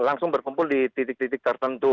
langsung berkumpul di titik titik tertentu